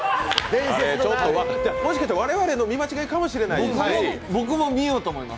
もしかして我々の見間違いかもしれないですし。